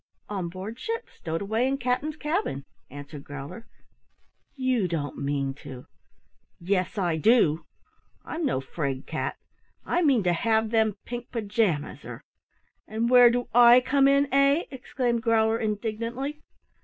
"On board ship, stowed away in Cap'n's cabin," answered Growler. "You don't mean to " "Yes, I do I'm no 'fraid cat I mean to have them pink pajamas, or " "And where do I come in, eh?" exclaimed Growler indignantly.